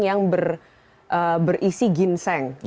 yang berisi ginseng